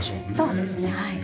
そうですねはい。